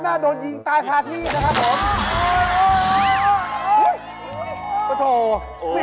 น่าโดนไปตายภาพที่นะครับผม